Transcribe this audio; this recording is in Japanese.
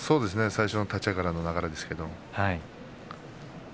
最初の立ち合いからの流れですけども。